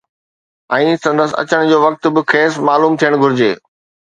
۽ سندس اچڻ جو وقت به کيس معلوم ٿيڻ گهرجي